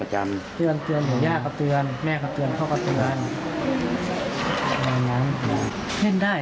จะเรียนเกรดท่วไปอย่างเงี้ย